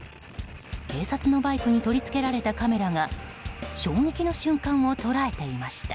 警察のバイクに取り付けられたカメラが衝撃の瞬間を捉えていました。